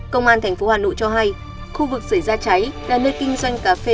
công an tp hà nội cho hay khu vực xảy ra cháy là nơi kinh doanh cà phê